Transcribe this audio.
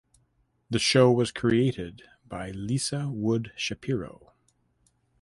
The show was created by Lisa Wood Shapiro.